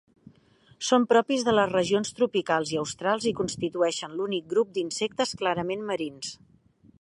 Són propis de les regions tropicals i australs, i constitueixen l'únic grup d'insectes clarament marins.